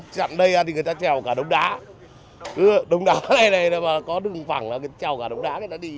cứ đống đá này này mà có đường phẳng là chào cả đống đá